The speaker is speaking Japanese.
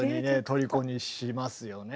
とりこにしますよね。